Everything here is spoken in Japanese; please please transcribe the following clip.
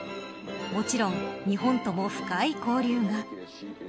もちろん、日本とも深い交流が。